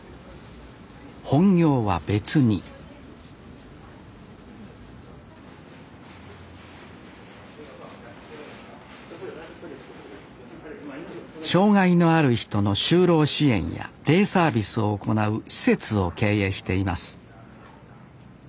本業は別に障害のある人の就労支援やデイサービスを行う施設を経営しています